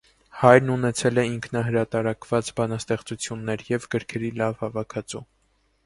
Հայրն ունեցել է ինքնահրատարակած բանաստեղծություններ և գրքերի լավ հավաքածու։